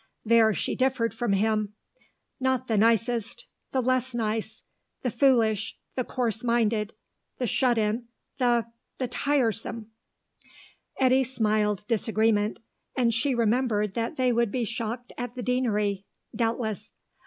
There she differed from him. "Not the nicest. The less nice. The foolish, the coarse minded, the shut in, the the tiresome." Eddy smiled disagreement, and she remembered that they would be shocked at the Deanery, doubtless.